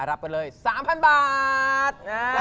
รับไปเลย๓๐๐บาท